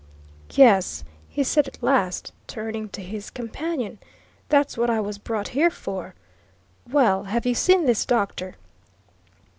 "Yes," he said at last, turning to his companion, "that's what I was brought here for. Well have you seen this doctor?"